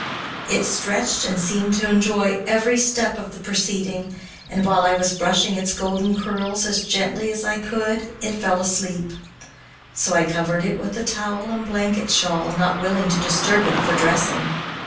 It stretched and seemed to enjoy every step of the proceeding, and, while I was brushing its golden curls as gently as I could, it fell asleep; so I covered it with the towel and blanket shawl, not willing to disturb it for dressing.